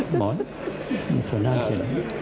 หมอนส่วนน่าเช็ด